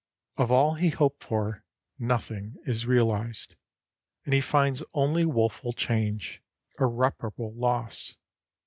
Of all he hoped for nothing is realized, and he finds only woful change, irreparable loss.